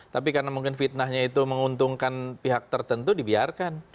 tapi karena mungkin fitnahnya itu menguntungkan pihak tertentu dibiarkan